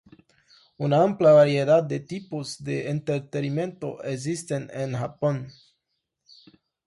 Una amplia variedad de tipos de entretenimiento existen en Japón.